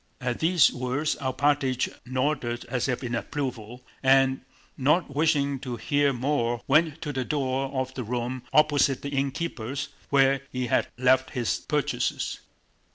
At these words Alpátych nodded as if in approval, and not wishing to hear more went to the door of the room opposite the innkeeper's, where he had left his purchases.